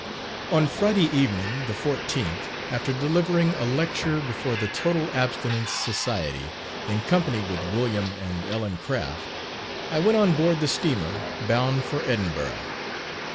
On Friday evening, the 14th, after delivering a lecture before the Total Abstinence Society, in company with William and Ellen Craft, I went on board the steamer bound for Edinburgh.